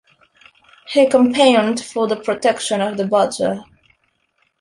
He campaigned for the protection of the badger.